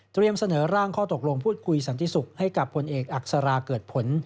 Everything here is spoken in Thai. เสนอร่างข้อตกลงพูดคุยสันติสุขให้กับผลเอกอักษราเกิดผล